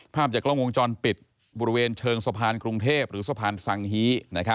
ภาพจากกล้องวงจรปิดบริเวณเชิงสะพานกรุงเทพหรือสะพานสังฮี